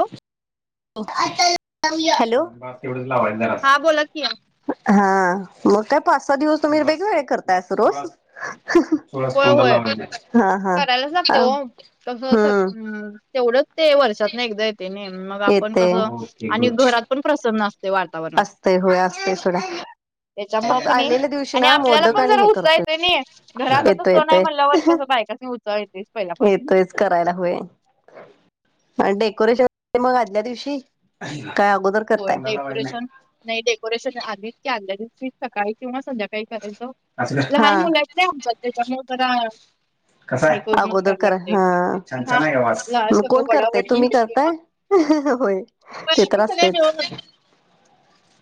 हॅ हॅलो तेवढच लावाय जरा हा बोला की हा मग काय पाच सहा दिवस तुम्ही वेगवेगळे करताय अस रोज थोडासा होय तोंडाला होय लावायचा. हा करायलाच लागते हा हो तसस हम्म तेवढंच ते वर्षात ना एकदा येते नाही मग आपण येते कसं आणि घरात पण प्रसन्न असत असते होय असते थोड्या त्याच्या मग नाही आणि आपल्याला मोदक पण आणि जरा हे करतोय उचायचंय नाही घरात येतोय तो नाही येतोय म्हणलंवर कसं बायकास उचचाळतेस येत आहेच का डेकोरेशन मग आल्या दिवशी काय अगोदर होय करताय डेकोरेशन नाही डेकोरेशन आधीी आदल्या दिवशी सकाळी किंवा संध्याकाळी करायचो लहान हा मुलात नाही आमच्यात त्याच्यामुळे ब कसय अगोदर क हा छान हा छान ला वाट सगळं कोण करताय वडावडी तुम्ही मग करताय होय पण ते तर आम्ही सगळे असतेच मिळूनच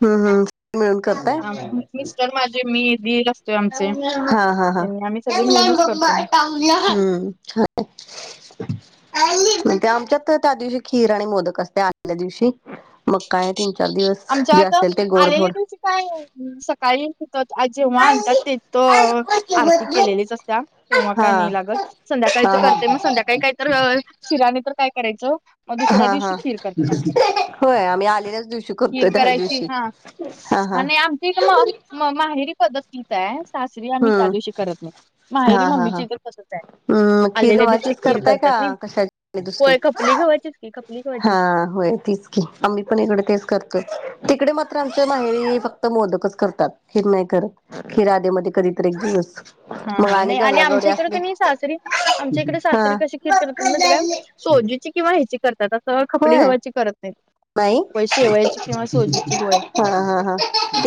हम्म हम्म मिळून खपता आम्ही मिस्टर माझे मी असते हा हा हा् मिळूनच करतो मग ट म्हणे आमच्यात त्या दिवशी खीर आणि मोदक असते आल्या दिवशी मक्का आहे तीन चार दिवस आमच्या जे आता असेल ते आलेल्या गोडधोड दिवशी काय सकाळी तर आ जेव्हा हा आणतात ते तर आरती केलेलीच असत तेव्हा काय नाही लागत हा संध्याकाळीच हा करते मग संध्याकाळी काय तर शिराने तर काय करायचं मग दुसऱ्या हा हा. दिवशी खीर करतात आमच्या होय आ्ही आलेच दिऊ शको खिर करायची हा हा. आणि आमची एक म म माहेरी पद्धती सासरी आम्ही त्या हम्म दिवशी करत नाही माहेरी मम्मीची इतर फसत आहे हम् मग आलेल्या दिवशी खीर्हाचीच खीर करताय करतात का नाही कशाची दुसरी होय खपली गव्हाचीच की खपली हा गव्हाची होय तीच आम्ही पण इकडे तेच करतो तिकडे मात्र आमच्या माहेरी फक्त मोदकच करतात हिर नाही करत हिरादेमध्येध्ये कधीतरी एक दिनस हा हा नाही आणि आमच्या इकड का नाही सासरी आमच्या इकडे हा सासरी कशी खीर करतात ना ते काय सोजीची किंवा ह्याची करतात खपली होय हवायची करत नाही नाही होय शेवायची किंवा सोजीची होय हा हा हा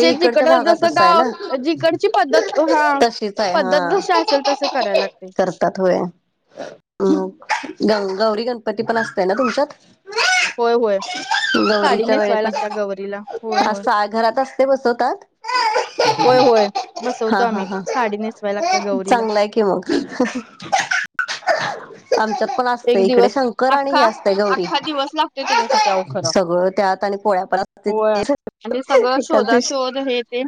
जे इकडच्या जिकड जस भागातच आहे ना ग जिकड पद्धत हा तशीच आहे पद्धत हा जशी असेल तस कराय लागते होय हम् ग गौरी गणपती पण असतय ना तुमच्यात होय होय साडी गौरीच्या वेळे नेसवाय पण लागत गवररीला होय होय असा घरात असते बसवतात होय होय बसवतो हा हा आम्ही हा साडी नेसवायला लागत गौरी चांगलाय की मग आमच्या पण असते एक इकडे दिवस शंकर आणि हे अख्खा असते गौरी अख्खा दिवस लागतोय त्याच्यासाठी अहो खरं सगळं त्यात आणि पोळ्याप ते होय आणि सगळं शोधा शोध हे ते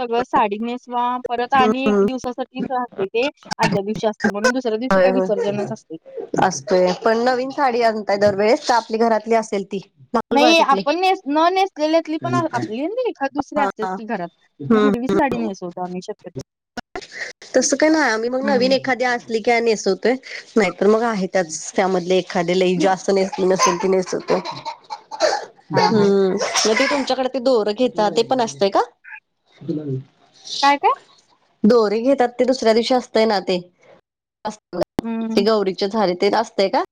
सगळं साडीनेेसवा. परत आणि एक दिवसासाठीच असते ते आदल्या दिवशी असते म्हणून दुसऱ्या दिवशी काय विसर्जनच असते. असतय पण नवीन साडी आणताय दरवेळेस तर आपली घरातली असेल ती? मागल बाळ नाही तिथली आपण नेस न नेसलेली पण आपली एखाद दुसरी असतेच की घरात. हिरवीच साडी च नेस तस काय नाही आम्ही मग नवीन हम्म एक एखाद असली कि नेसवतो नाही तर मग आहे त्याच त्यामधले एखादी लई जास्त नेसली नसेल ती नेसव तो हा हा हम्म मग ते तुमच्याकडे ते दोर घेता ते पण असतय का? काय काय? दोरे घेतात ते दुसऱ्या दिवशी असतय ना ते, हम्म ते गौरी ते झारी ते असतय का?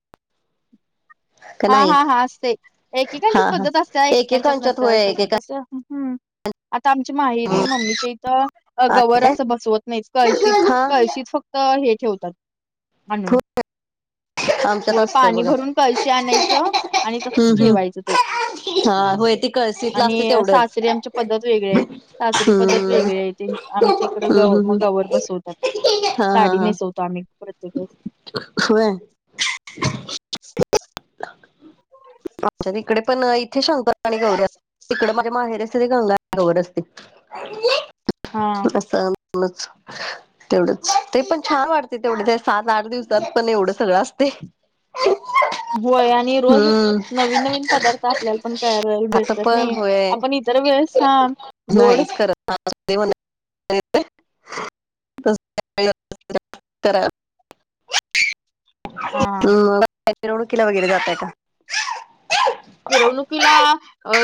का हा नाही हा हा असते एकेकांची हा हा पद्धत असत एकेकांच्यात नसते होय सगळं एकेका कसं आता आमची माहेरी मम्मीच्या इथं गवर आहे काय असं बसवत नाहीच कळशीत हा कळशीत फक्त हे ठेवतात आणून होय, आमच्यात होय असतंय पाणी बघा भरून कळशी आणायचं आणि तसच हम्म हम्म ठेवायचं ते. हा होय ती कळशीतला आणि असते तेवढंच सासरीे आमच्या पद्धत वेगळी आहे सासरी पद्धत हम्म वेगळी आहे. आमच्या इकडं हम्म हम्म गव हम्म. मग गवत बसवतात. हा हा हा! बसवतो आम्ही प्रत्येकवेळेस होय! [inaudible] आमच्या तिकडे पण इथे शंक आणि गौरी अस तिकडे माझे माहेर असते ते गंगा गवर असते. हा [unintelligible] तेवढंच ते पण छान वाटते तेवढे ते सात आठ दिवसात पण एवढं सगळं असते. [unintelligible] होय आणि रोज हम्म नवीन नवीन पदार्थ आपल्याला पण करायला आता भेटतात पण नाही होय आपण इ इतर वेळेस, हा गोड [unintelligible] हा! मिरवणुकीला वगैरे जातय का? मिरवणुकीला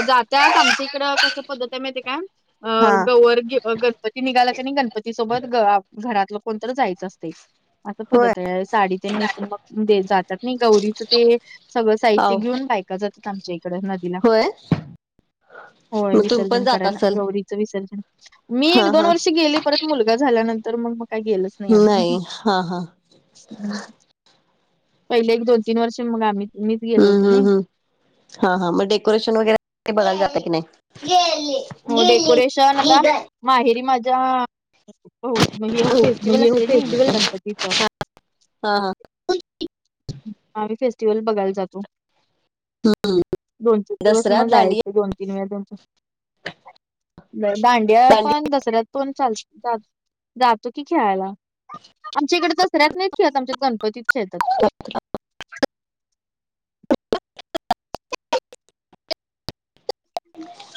जात्यात आमच्या इकड कसं पद्धत आहे माहिती काय? अ हा गवर गणपती निघाला कानाय गणपती सोबत घरातलं कोण तर जायचं असतय. असं होय पद्त आहे साडी ते नेसून मग जातात नाही गौरीच ते सगळं साहित्य आव घेऊन बायका जातात आमच्या इकडे. नदीला होय! होय मग तुम्ही पण विसर्जन जात करायला असल गौरीच विसर्जन, मी हा एक दोन हा वर्षी गेले परत मुलगा झाल्यानंतर मग मग काही गेलोच नाही आम्ही. हा हा हम् पहिले एक दोन तीन वर्ष मग आम्ही मीच गेलो हम्म होतो नाय. हम्म हम्म हा हां मग डेकोरेशन वगैरे बघायला जातं की नाही? गेली हो गेली डेकोरेशन ही आता ग माहेरी माझ्या हे फेस्टिवल म्हणजे असते ना फेस्टिवल गणपतीच. हा हा! आम्ही फेस्टिवल बघायला जातो. दोन तीन दिवस दसऱ्यात मग जायच दांडिया दोन तीन वेळा, दांड्या दांडिया पण दसऱ्यात पण चाल जातो की खेळायला आमच्या इकडे दसऱ्यात नाहीत खेळत आमच्या हित गणपतीत खेळतात. [inaudible]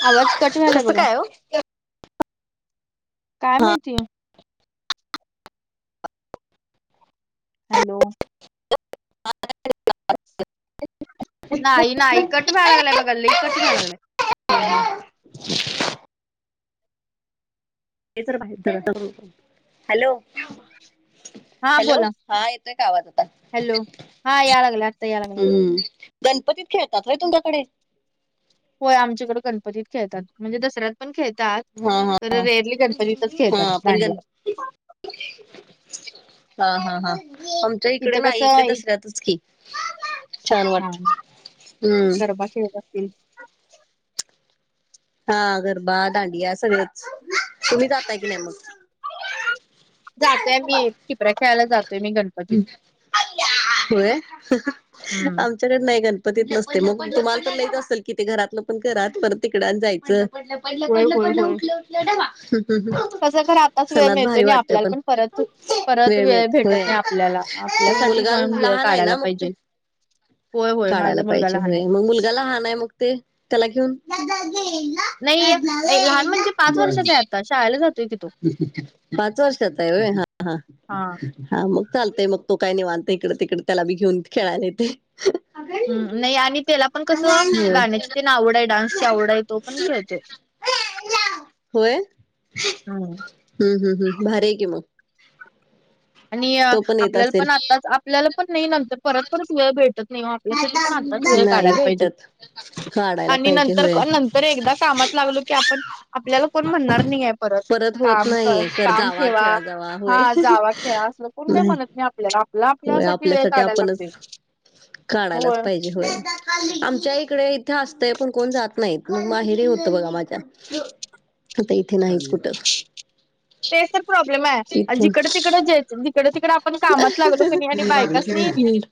आवाज कट वलाय कसं बघा काय हो काय माहिती हॅलो नाही नाही कट व्हायला लागलाय बघा लइ कट व्हाय लागलाय ते तर हॅलो [unintelligible] हा हॅलो बोला हा येतोय का आवाज आता हॅलो हा या लागलाय आत्ता या लागलाय हम्म गणपतीत खेळतात होय तुमच्याकडे होय आमच्याकडडे गणपतीत खेळतात म्हणजे दसऱ्यात पण खेळतात हा हा तर रेअरली गणपतीतच खेळतात हा पण गण भांडल्यावर हा हा हा इकडे इथं नाही कसं इकडे इ- दसऱ्यातच की छान वाटत हम्म गरबाचे लागतील हा गरबा दांडिया सगळच जातोय मी टिपरा्या खेळायला जातोय मी गणप होय हम्म त्याच्याकड नाही गणपतीत नसते मग तुम्हाला पण नाही असेल कि ते घरातलं पण घराात परत तिकड जायचं डलं होय पडलं होय पडलं होय उठलं उठलं डवा हम् कसं खरं आताच वेळ सणत मिळतोय भारी नाही वाटते आपल्याला पण परत परत वेळ मिळत भेटत वेळ नाही आपल्याला आपल्यासाठी मुलगा पण वेळ लहान आहे काढायला ना मग ते पाहिजे होय होय काढायला माझा मुलगा पाहिजे लहान आहे होय मग मुलगाला लहान आहे मग ते त्याला घेऊन नाही ए, लहान म्हणजे पाच वर्षाचा आहे आता शाळेला जातोय की तो पाच, वर्षाचा हाय हो हा हा हा मग चालतय मग तो काय नाही, निवांत इकड तिकडे त्याला बी घेऊन खेळायला येते होय. हम् नाही आणि त्याला पण कसं गाण्याची त्याना आवड आहे डान्सची आवड आहे तो पण खेळते होय हम्म हम्म हम्म भार आहे कि मग आणि तो पण येत आपल्याला असेल. पण आताच आपल्याला पण नाही नंतर परत परच वेळ भेटत नाही आपल्यासाठी पण आताच वेळ नाही काढायला पाहिजे भेटत काढायला आणि पाहिजे नंतर होय तर एकदा कामात लागलो की आपण आपल्याला कोण म्हणणार नाही परत होत काम कर नाही काम जावा ठेवा खेळा जावा हा होय जावा खेळा असल कोण काय नाही म्हणत मी आपल्याला आपला होय आपल्यासाठीठी वेळ आपल्यासाठी काढायला आपणच लागते हो काढायलाच पाहिजे आमच्या इकडे इथे असतय पण कोण जात नाहीत मग माहेर होतं बघा माझ्या आता इथे नाहीच कुठं ते सर प्रॉब्लेम आहे इथे जिकड तिकड जिकड तिकड पण कामच लागलो असनी आणि बायकासनी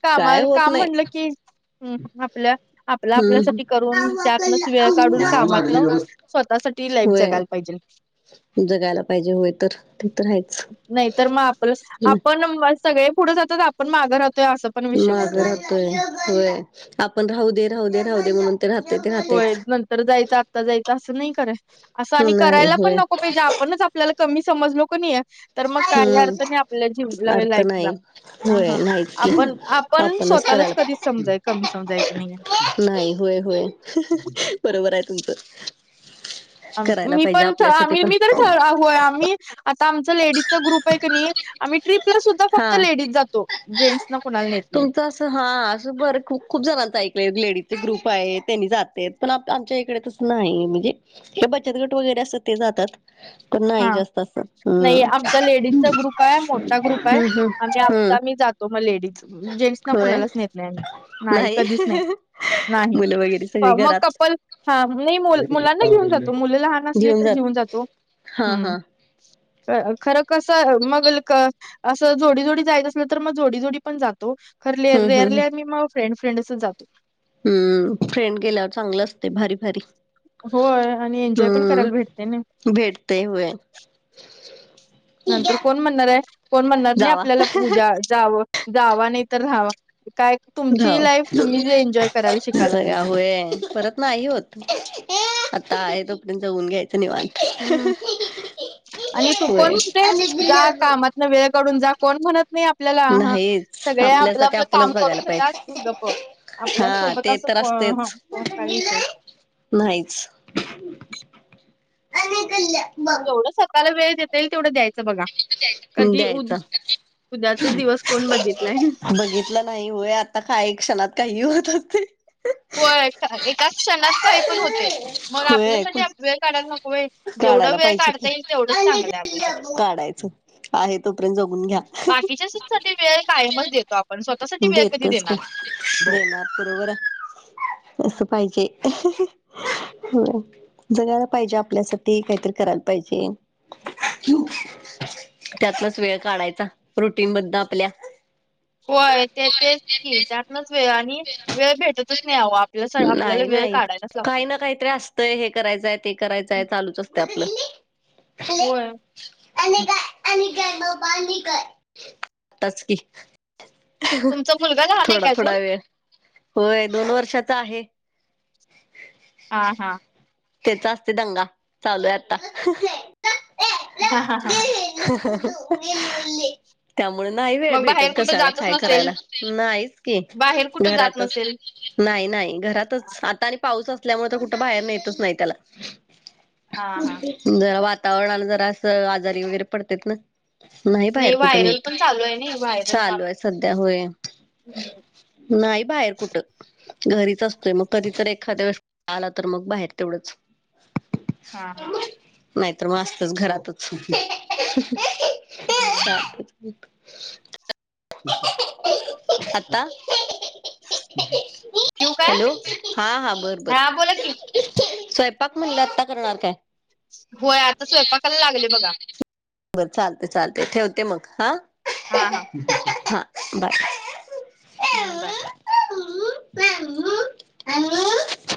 कामा काय होत काम नाही म्हणलं की हम् आपल्या आपल्या आपल्यासाठी करून हम्म त्यातनच वेळ काढून कामातन स्वतःसाठी लाईफ होय जगायला पाहिजे जगायला पाहिजे होय तर ते तर आहेच नाहीत मग आपलं आपण सगळे पुढे जातात आपण माघं राहतोय असं पण विषय माग होतोय मग राहतोय होय आपण राहू दे राह दे राहू दे म्हणून ते राहतोय ते रा होय नंतर जायचं आत्ता जायचं असं नाही कय असं आणि नाही करायला पण होय नको पाहिजे आपणच आपल्याला कमी समजलो क नाही आहे तर मग काही अर्थ नाही हम्म आपल्या जिवला अर्थ लाईफला नाही ह होय नाहीच की आपण पण आपणच स्वतःलाच करायला कधीच समजाय कमी समजायचं नाहीय नाही होय होय बरोबर आहे तुमचं करायला मी पाहिजे पण आपल्यासाठी आम्ही पण मी तर होय आम्ही आता आमच लेडीजचा ग्रुप आहे का नाही आम्ही, ट्रीपला सुद्धा हा फक्त लेडीज जातो जेंट्सना कोणाला नेत नाही तुमचं असं हा असं बर खूप खूप जणांचं ऐकलं लेडीज चे ग्रुप आहे त्यांनी जाते पण आमच्या इकडे नाही म्हणजे हे बचत गट वगैरे असत ते जातात तरण नाही हां, जास्त असं हम्म खूप मोठा ग्रुप आहे हम्म आम्ही हम्म हम्म आमचा मी जातो मग लेडीज जेंट्स ना होय कोुणालाच नेत नाही नाही कधीच नाही नाही. मुलं वगैरे प सगळी मग घरात कपल, हा नाही मुल, मुलांना घेऊन जातो. मुली लहान असले तर घेऊन जातो. हा हा हं. खर कस मग ल क असं जोडी-जोडी जायच असल तर, मग जोडीजोडी पण जातो. खर लेअर हम्म हम्म रेअरली आणि मग फ्रेड, फ्रेंडच असं जातो. हम्म, फ्रेंड गेल्यावर चांगलं असते. भारी- भारी. होय. आणि एन्जॉय पण करायला भेटते ना. भेटतय, होय. नंतर कोण जावा म्हणणारय. कोण म्हणणार नाही, आपल्याला उद्या जावं. जावा नाही, तर राव्हा. काय हो तुमची लाईफ तुम्ही जे एन्जॉय करायला शिकायला पाहिजे. [unintelligible] परत नाही, होत. [inaudible] आता आहे तोपर्यंत, ऊन घ्यायचं निवाण हम्म. आणि तू होय पण ते जा काम वेळ काडून जा, कोण म्हणत नाही. आप आपल्याला. हा नाहीच सगळे आपलं आपल्यासाठी -आपलं आपणच काम बघायला करून घेतात. पाहिजे [unintelligible] आपल्या हा सोबत ते असं, तर को अं ह असतेच कोण, काय विषयच नाही. नाहीच. [unintelligible] जेवढं स्वतःला वेळ देता येईल, तेवढं द्यायचं, बघा. कधी उद, द्यायचा उद्याचा दिवस कोण, बघितलाय? [unintelligible] बघितलं नाही. होय, आता काही क्षणात काही होत [unintelligible] होय, आता एका क्षणात काही पण होतय. मग होय आपल्यासाठी अप, वेळ काढायला नको होय. जेवढं काढायला वेळ काढता येईल, तेवढंच चांगलं आहे आपल्यासाठी. काढायच. आहे तोपर्यंत जगून घ्या. [unintelligible] साठी वेळ कायमच देतो. आप देतच की. [inaudible] बरोबर आहे. असं पाहिजे. [unintelligible] होय. जगायला पाहिजे, आपल्यासाठी. काहीतरी करायला पाहिजे. [inaudible] त्यातलाच वेळ काढायचा. रुटीन मधनं आपल्या. होय. ते तेच की, त्यातनच वेळ आणि [unintelligible] वेळ भेटतच नाही आवं. आपल्या सगळा, आपल्याला नाही वेळ नाही काढायलाच लागतो. काही ना काही तरी असत तय. हे करायचंय, ते करायचंय चालूच असतय आपलं. होय. [unintelligible] कि. [unintelligible] तुमचा मुलगा लहान आहे का थोडा- थोडा अजून? वेळ. होय, दोन वर्षाचा आहे. हा, हा. त्याचा असतय दंगा. चालूय आता. हा, हा, हा, हां. ह [unintelligible] त्यामुळे नाही वेळ मग बाहेर भेटत कुठं कशाला. जातच खाय नसेल करायला. नाहीच की, बाहेर कुठं जात घरातच. नसेल. नाही, नाही, घरातच. आता आणि पाऊस असल्यामुळे, तर कुठं, बाहेर नेतच नाही त्याला. हा [inaudible] हा. जरा वातावरणाला जरा असं, आजारी वगैरे पडतेत न. नाही बाहेर कुठं व्हायरल नेत. पण चालू आहे नाही [unintelligible] व्हायरल ताप चालूय सध्या. होय. हम्म नाही बाहेर कुठं. घरीच असतोय, मग. कधी तर एखाद्या वेळेस आला तर, मग बाहेर तेवढंच. हा, हा. नाहीतर मग अस्तच, घरातच. [inaudible] [inaudible] हा आत्ता [inaudible] ठेऊ काय हा हा बर बर हा बोला की स्वयंपाक म्हणलं आता करणार काय होय आता स्वयंपाकाला लागले बघा बरं चालते चालते ठेवते मग हा हा हा हा बरं हम्म बाय प्रमु हॅ